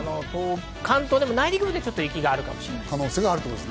関東でも内陸部では雪があるかもしれません。